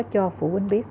cho phụ huynh biết